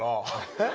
えっ？